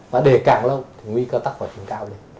và để càng lâu thì nguy cơ tắc quả trứng cao lên